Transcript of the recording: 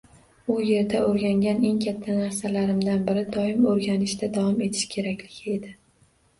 U yerda oʻrgangan eng katta narsalarimdan biri – doim oʻrganishda davom etish kerakligi edi.